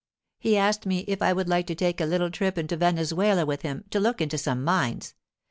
He asked me if I would like to take a little trip into Venezuela with him to look into some mines.